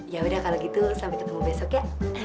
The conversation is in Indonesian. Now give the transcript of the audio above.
yaudah kalau gitu sampai ketemu besok ya